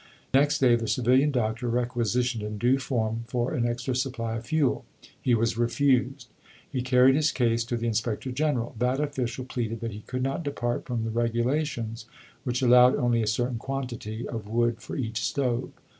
Next day the civilian doctor requisitioned in due form for an extra supply of fuel. He was refused. He carried his case to the Inspector General. That official pleaded that he could not depart from the regulations which allowed only a certain quantity of wood for each stove.